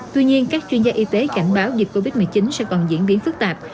tuy nhiên các chuyên gia y tế cảnh báo dịch covid một mươi chín sẽ còn diễn biến phức tạp